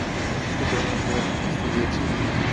সুতরাং আমি তাদেরকে শাস্তি দিয়েছি।